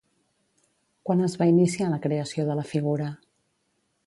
Quan es va iniciar la creació de la figura?